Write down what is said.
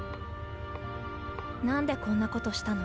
なんでこんなことしたの？